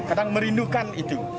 kadang merindukan itu